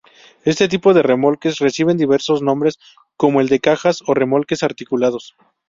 Este tipo de remolques reciben diversos nombres, como el de cajas o remolques articulados.